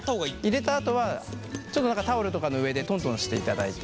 入れたあとはちょっと何かタオルとかの上でトントンしていただいて。